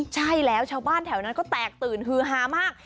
ใช่แล้วชาวบ้านแถวนั้นก็แตกตื่นฮือฮามาก